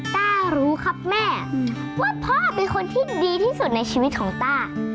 ต้ารู้ครับแม่ว่าพ่อเป็นคนที่ดีที่สุดในชีวิตของต้า